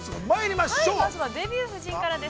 まずは「デビュー夫人」からです。